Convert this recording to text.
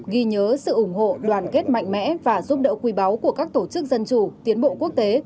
ghi nhớ sự ủng hộ đoàn kết mạnh mẽ và giúp đỡ quý báu của các tổ chức dân chủ tiến bộ quốc tế